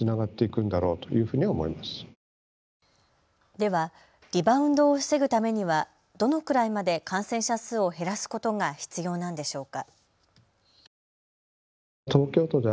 ではリバウンドを防ぐためにはどのくらいまで感染者数を減らすことが必要なんでしょうか。